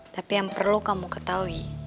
tapi yang perlu kamu ketahui